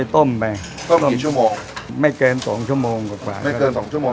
ต้มไปต้มกี่ชั่วโมงไม่เกินสองชั่วโมงกว่าไม่เกินสองชั่วโมง